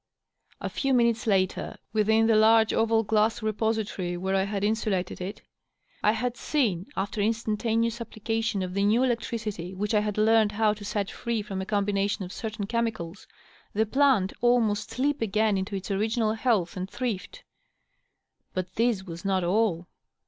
A few minutes later, within the large oval glass repository where I had insulated it, I had seen, after instantaneous application of the new electricity which I had learned how to set free from a combination of certain chemicals, the plant almost leap again into its original health and thrift. But this was not all.